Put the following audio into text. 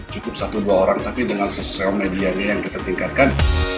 cukup satu dua orang tapi dengan sosial medianya yang kita tingkatkan